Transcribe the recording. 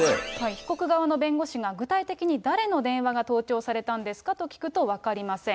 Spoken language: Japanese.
被告側の弁護士が具体的に誰の電話が盗聴されたんですかと聞くと、分かりません。